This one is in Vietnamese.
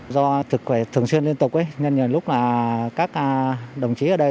do thực khỏe thường xuyên liên tục nhân nhờ lúc các đồng chí ở đây